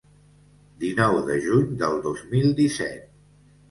Dinou de juny del dos mil disset.